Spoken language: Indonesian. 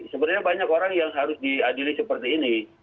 sebenarnya banyak orang yang harus diadili seperti ini